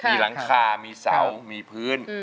มีหลังคามีเสามีพื้น